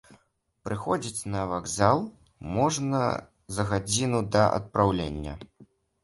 Прыходзіць на вакзал можна за гадзіну да адпраўлення.